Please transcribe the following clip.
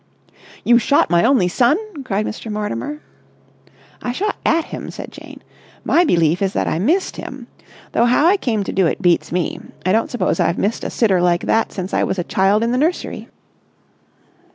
"You shot my only son!" cried Mr. Mortimer. "I shot at him," said Jane. "My belief is that I missed him. Though how I came to do it beats me. I don't suppose I've missed a sitter like that since I was a child in the nursery.